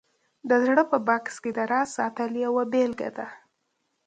د زړه په بکس کې د راز ساتل یوه بېلګه ده